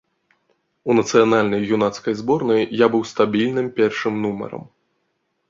У нацыянальнай юнацкай зборнай я быў стабільным першым нумарам.